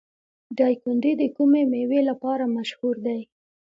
دایکنډي د کومې میوې لپاره مشهور دی؟